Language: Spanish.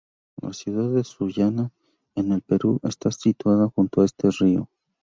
La ciudad de Sullana, en el Perú, está situada junto a este río.